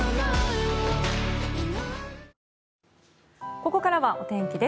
ここからはお天気です。